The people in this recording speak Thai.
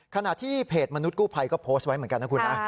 ขณะที่เพจมนุษย์กู้ภัยก็โพสต์ไว้เหมือนกันนะคุณนะ